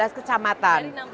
dari enam belas kecamatan